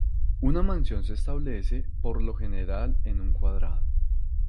Una mansión se establece por lo general en un Cuadrado.